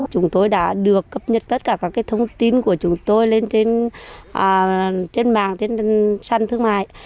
chúng tôi đã được cập nhật tất cả các thông tin của chúng tôi lên trên sàn thương mại